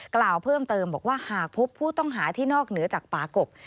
กล่าวเพิ่มเติมบอกว่าหากพบผู้ต้องหาที่นอกเหนือจากป่ากบ